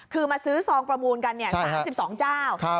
คือมาซื้อซองประมูลกัน๓๒เจ้า